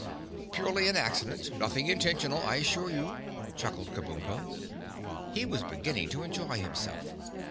"Purely an accident—nothing intentional, I assure you," chuckled Kabumpo. He was beginning to enjoy himself.